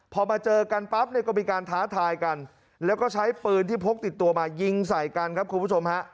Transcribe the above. พอมาเจอกันปั๊บเนี่ยก็มีการท้าทายกันแล้วก็ใช้ปืนที่พกติดตัวมายิงใส่กันครับคุณผู้ชมฮะ